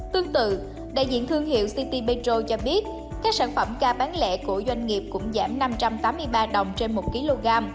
tương tự đại diện thương hiệu city petro cho biết các sản phẩm ca bán lẻ của doanh nghiệp cũng giảm năm trăm tám mươi ba đồng trên một kg